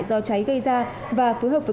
do cháy gây ra và phối hợp với